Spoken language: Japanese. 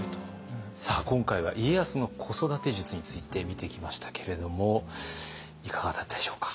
さあ今回は家康の子育て術について見てきましたけれどもいかがだったでしょうか？